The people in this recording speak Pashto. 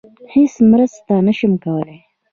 هیڅ مرسته نشم کولی.